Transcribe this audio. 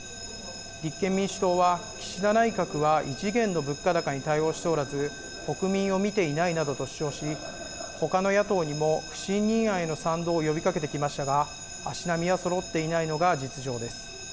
立憲民主党は岸田内閣は異次元の物価高に対応しておらず国民を見ていないなどと主張しほかの野党にも不信任案への賛同を呼びかけてきましたが足並みはそろっていないのが実情です。